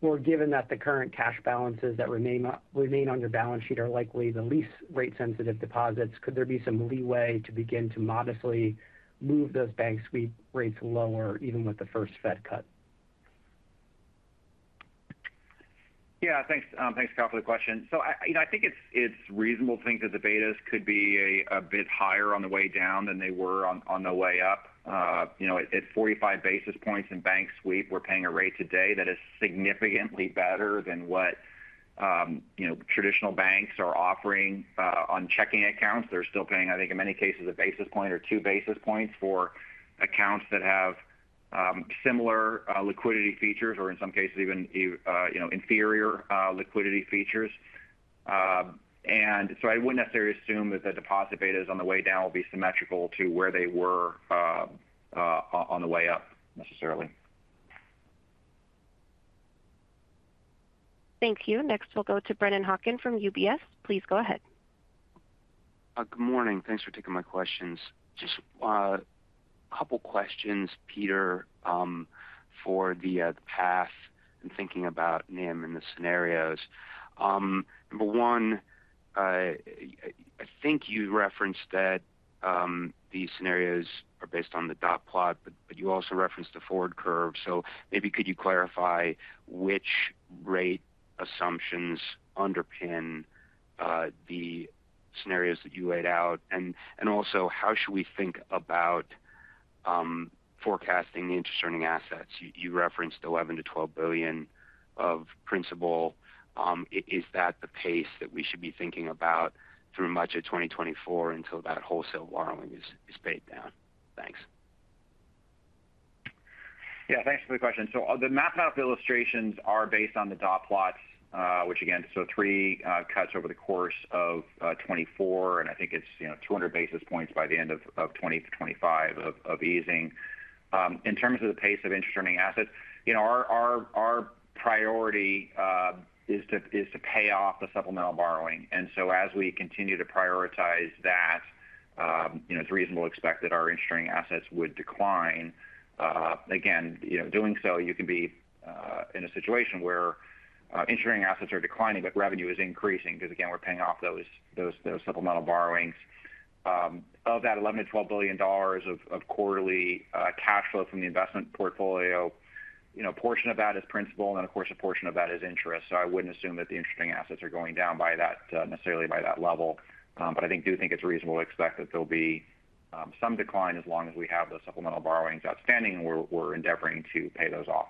Well, given that the current cash balances that remain on your balance sheet are likely the least rate-sensitive deposits, could there be some leeway to begin to modestly move those bank sweep rates lower, even with the first Fed cut? Yeah, thanks, thanks, Kyle, for the question. So I, you know, I think it's reasonable to think that the betas could be a bit higher on the way down than they were on the way up. You know, at 45 basis points in bank sweep, we're paying a rate today that is significantly better than what traditional banks are offering on checking accounts. They're still paying, I think, in many cases, a basis point or two basis points for accounts that have similar liquidity features or in some cases, even you know, inferior liquidity features. And so I wouldn't necessarily assume that the deposit betas on the way down will be symmetrical to where they were on the way up, necessarily. Thank you. Next, we'll go to Brennan Hawken from UBS. Please go ahead. Good morning. Thanks for taking my questions. Just a couple questions, Peter, for the path and thinking about NIM and the scenarios. Number one, I think you referenced that these scenarios are based on the dot plot, but you also referenced the forward curve. So maybe could you clarify which rate assumptions underpin the scenarios that you laid out? And also, how should we think about forecasting the interest earning assets? You referenced $11 billion-$12 billion of principal. Is that the pace that we should be thinking about through much of 2024 until that wholesale borrowing is paid down? Thanks. Yeah, thanks for the question. So the math out illustrations are based on the dot plots, which again, so three cuts over the course of 2024, and I think it's, you know, 200 basis points by the end of 2025 of easing. In terms of the pace of interest-earning assets, you know, our priority is to pay off the supplemental borrowing. And so as we continue to prioritize that, you know, it's reasonable to expect that our interest-earning assets would decline. Again, you know, doing so, you can be in a situation where interest-earning assets are declining, but revenue is increasing because, again, we're paying off those supplemental borrowings. Of that $11 billion-$12 billion of quarterly cash flow from the investment portfolio, you know, a portion of that is principal, and then, of course, a portion of that is interest. So I wouldn't assume that the interest earning assets are going down by that necessarily by that level. But I think do think it's reasonable to expect that there'll be some decline as long as we have those supplemental borrowings outstanding, and we're endeavoring to pay those off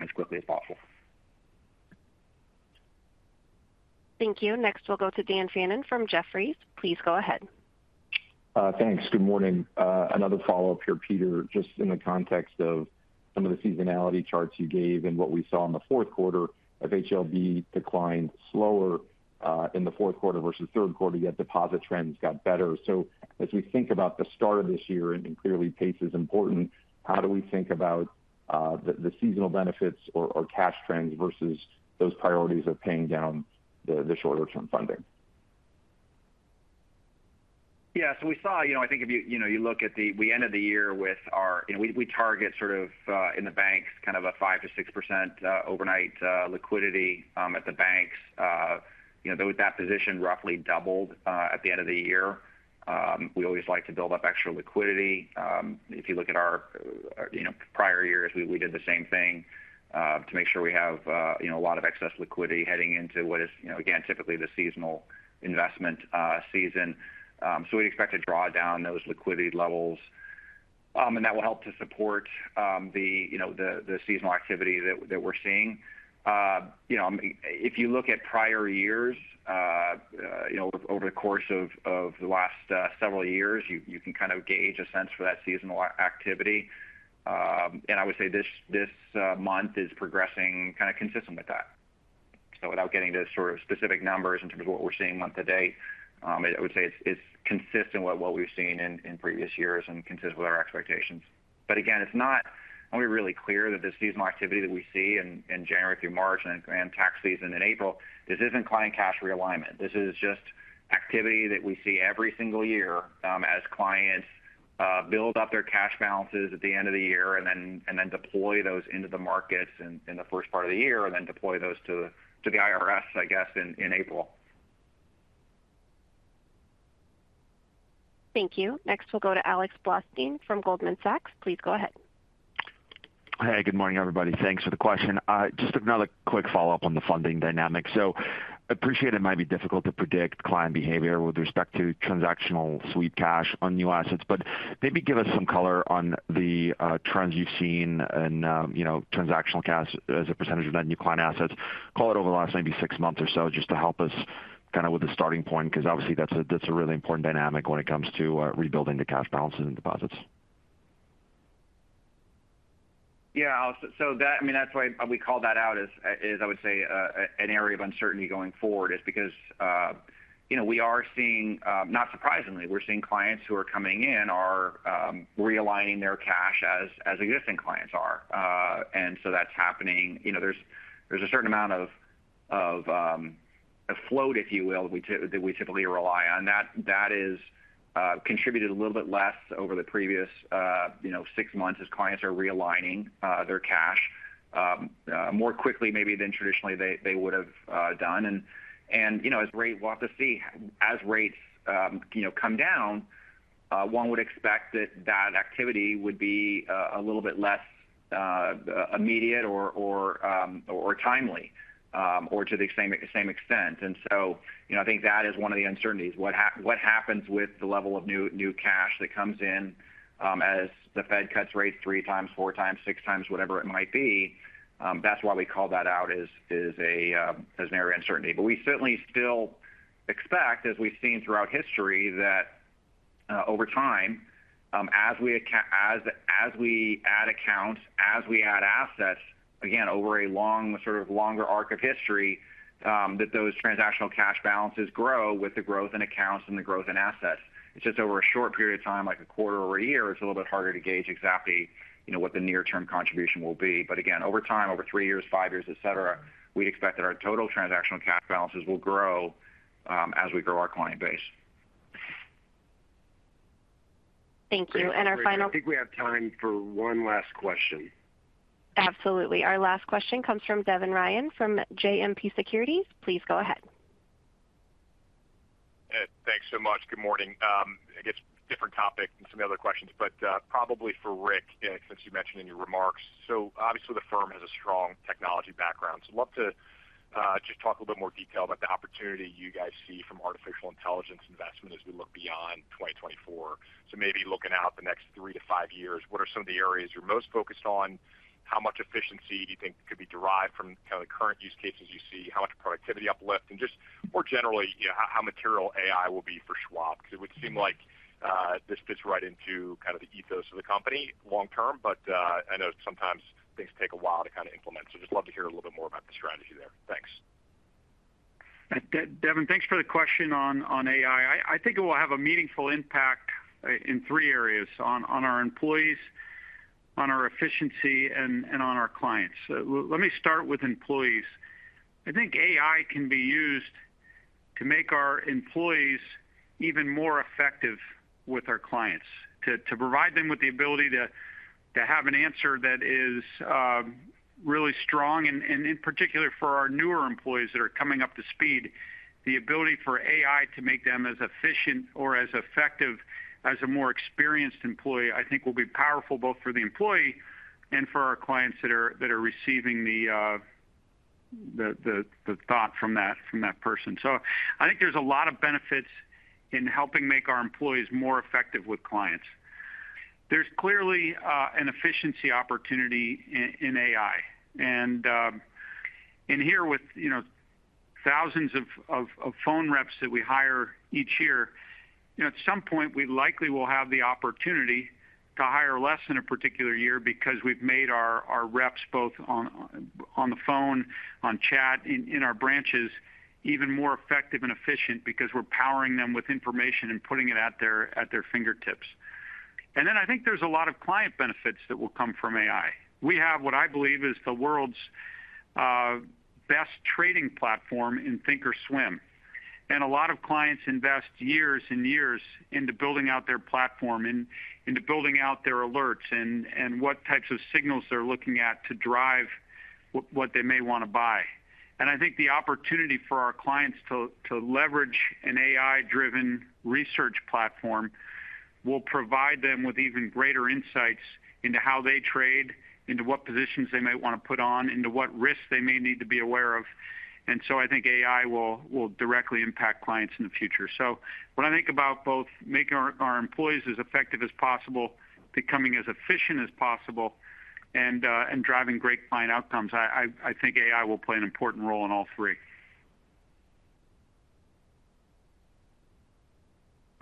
as quickly as possible. Thank you. Next, we'll go to Dan Fannon from Jefferies. Please go ahead. Thanks. Good morning. Another follow-up here, Peter, just in the context of some of the seasonality charts you gave and what we saw in the fourth quarter of FHLB declined slower in the fourth quarter versus third quarter, yet deposit trends got better. So as we think about the start of this year, and clearly pace is important, how do we think about the seasonal benefits or cash trends versus those priorities of paying down the shorter-term funding? Yeah, so we saw, you know, I think if you, you know, you look at the—we ended the year with our. And we target sort of in the banks kind of a 5%-6% overnight liquidity at the banks. You know, that position roughly doubled at the end of the year. We always like to build up extra liquidity. If you look at our, you know, prior years, we did the same thing to make sure we have, you know, a lot of excess liquidity heading into what is, you know, again, typically the seasonal investment season. So we'd expect to draw down those liquidity levels and that will help to support the, you know, the seasonal activity that we're seeing. You know, if you look at prior years, you know, over the course of the last several years, you can kind of gauge a sense for that seasonal activity. And I would say this month is progressing kind of consistent with that. So without getting into sort of specific numbers in terms of what we're seeing month to date, I would say it's consistent with what we've seen in previous years and consistent with our expectations. But again, it's not, and we're really clear that the seasonal activity that we see in January through March and tax season in April, this isn't client cash realignment. This is just activity that we see every single year, as clients build up their cash balances at the end of the year and then deploy those into the markets in the first part of the year, and then deploy those to the IRS, I guess, in April. Thank you. Next, we'll go to Alex Blostein from Goldman Sachs. Please go ahead. Hey, good morning, everybody. Thanks for the question. Just another quick follow-up on the funding dynamic. So I appreciate it might be difficult to predict client behavior with respect to transactional sweep cash on new assets, but maybe give us some color on the trends you've seen and, you know, transactional cash as a percentage of net new client assets, call it over the last maybe six months or so, just to help us kind of with the starting point, because obviously that's a really important dynamic when it comes to rebuilding the cash balances and deposits. Yeah, Alex, so I mean, that's why we call that out as, as I would say, an area of uncertainty going forward, is because, you know, we are seeing, not surprisingly, we're seeing clients who are coming in are realigning their cash as existing clients are. And so that's happening. You know, there's a certain amount of a float, if you will, that we typically rely on. That is contributed a little bit less over the previous, you know, six months as clients are realigning their cash more quickly maybe than traditionally they would have done. you know, we'll have to see, as rates come down, you know, one would expect that that activity would be a little bit less immediate or timely or to the same extent. And so, you know, I think that is one of the uncertainties. What happens with the level of new cash that comes in as the Fed cuts rates three times, four times, six times, whatever it might be? That's why we call that out as an area of uncertainty. But we certainly still expect, as we've seen throughout history, that over time, as we add accounts, as we add assets, again, over a long, sort of longer arc of history, that those transactional cash balances grow with the growth in accounts and the growth in assets. It's just over a short period of time, like a quarter or a year, it's a little bit harder to gauge exactly, you know, what the near-term contribution will be. But again, over time, over three years, five years, et cetera, we expect that our total transactional cash balances will grow, as we grow our client base. Thank you. And our final- I think we have time for one last question. Absolutely. Our last question comes from Devin Ryan from JMP Securities. Please go ahead. Thanks so much. Good morning. I guess different topic than some of the other questions, but, probably for Rick, since you mentioned in your remarks. So obviously, the firm has a strong technology background. So I'd love to, just talk a little more detail about the opportunity you guys see from artificial intelligence investment as we look beyond 2024. So maybe looking out the next three-five years, what are some of the areas you're most focused on? How much efficiency do you think could be derived from kind of the current use cases you see? How much productivity uplift, and just more generally, you know, how material AI will be for Schwab? Because it would seem like, this fits right into kind of the ethos of the company long term, but, I know sometimes things take a while to kind of implement. So just love to hear a little bit more about the strategy there. Thanks. Devin, thanks for the question on AI. I think it will have a meaningful impact in three areas: on our employees, on our efficiency, and on our clients. Let me start with employees. I think AI can be used to make our employees even more effective with our clients, to provide them with the ability to have an answer that is really strong. And in particular, for our newer employees that are coming up to speed, the ability for AI to make them as efficient or as effective as a more experienced employee, I think will be powerful both for the employee and for our clients that are receiving the thought from that person. So I think there's a lot of benefits in helping make our employees more effective with clients. There's clearly an efficiency opportunity in AI. And here with, you know, thousands of phone reps that we hire each year, you know, at some point, we likely will have the opportunity to hire less in a particular year because we've made our reps, both on the phone, on chat, in our branches, even more effective and efficient because we're powering them with information and putting it at their fingertips. And then I think there's a lot of client benefits that will come from AI. We have what I believe is the world's best trading platform in thinkorswim, and a lot of clients invest years and years into building out their platform, into building out their alerts and what types of signals they're looking at to drive what they may want to buy. I think the opportunity for our clients to leverage an AI-driven research platform will provide them with even greater insights into how they trade, into what positions they might want to put on, into what risks they may need to be aware of. And so I think AI will directly impact clients in the future. So when I think about both making our employees as effective as possible, becoming as efficient as possible, and driving great client outcomes, I think AI will play an important role in all three.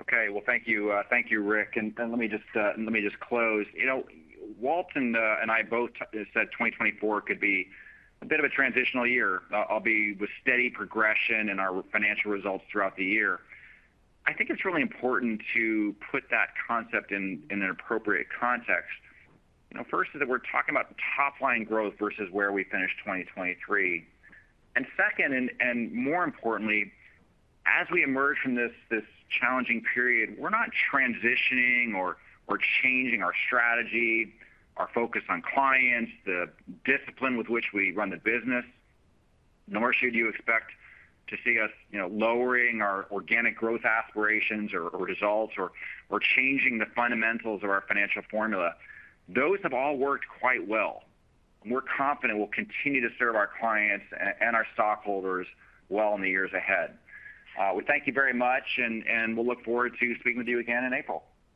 Okay, well, thank you. Thank you, Rick. Let me just close. You know, Walt and I both said 2024 could be a bit of a transitional year. I'll be with steady progression in our financial results throughout the year. I think it's really important to put that concept in, in an appropriate context. You know, first, is that we're talking about top-line growth versus where we finished 2023. And second, and, and more importantly, as we emerge from this, this challenging period, we're not transitioning or, or changing our strategy, our focus on clients, the discipline with which we run the business, nor should you expect to see us, you know, lowering our organic growth aspirations or, or results, or, or changing the fundamentals of our financial formula. Those have all worked quite well, and we're confident we'll continue to serve our clients and our stockholders well in the years ahead. We thank you very much, and, and we'll look forward to speaking with you again in April.